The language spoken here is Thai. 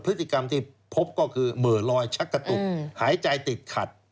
พฤติกรรมที่พบก็คือเหม่อลอยชักกระตุกหายใจติดขัด